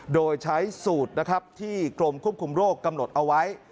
โดยใช้สูตรนะครับที่กรมควบคุมโรคกำหนดเอาไว้